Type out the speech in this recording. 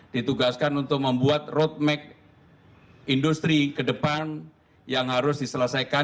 ditugaskan untuk membuat roadmap industri ke depan yang harus diselesaikan